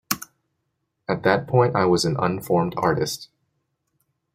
At that point I was an unformed artist.